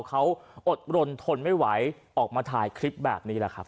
เขาอดรนทนไม่ไหวออกมาถ่ายคลิปแบบนี้แหละครับ